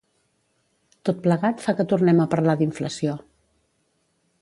Tot plegat fa que tornem a parlar d’inflació.